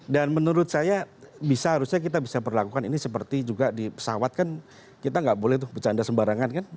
dan menurut saya bisa harusnya kita bisa perlakukan ini seperti juga di pesawat kan kita enggak boleh tuh bercanda sembarangan kan